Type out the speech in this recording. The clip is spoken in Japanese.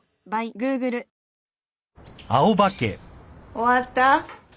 終わった？